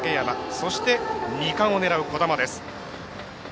そして、２冠を狙う兒玉です。